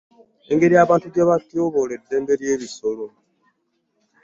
Engeri abantu gye batyoboola eddembe ly'ebisolo.